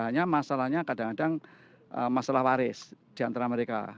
hanya masalahnya kadang kadang masalah waris di antara mereka